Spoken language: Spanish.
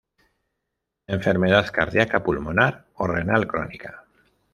Enfermedad cardíaca, pulmonar o renal crónica.